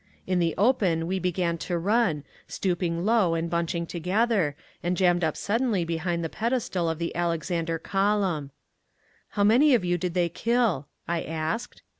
In the open we began to run, stooping low and bunching together, and jammed up suddenly behind the pedestal of the Alexander Column. "How many of you did they kill?" I asked.